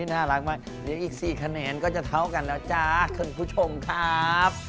โหนั้นม้าลังไหมแล้วอีก๔คะแนนก็จะเท่ากันแล้วครับคุณผู้ชมครับ